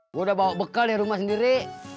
gue udah bawa bekal dari rumah sendiri